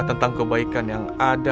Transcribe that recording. tentang kebaikan yang ada